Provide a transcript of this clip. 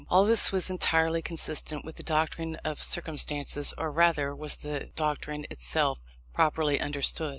All this was entirely consistent with the doctrine of circumstances, or rather, was that doctrine itself, properly understood.